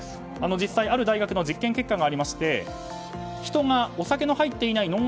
実際、ある大学の実験結果がありまして人がお酒の入っていない